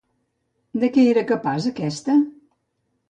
De què era capaç aquesta?